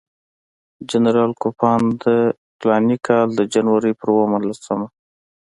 جنرال کوفمان د فلاني کال د جنوري پر اووه لسمه.